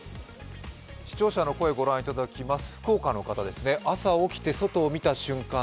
視聴者の声をご覧いただきます。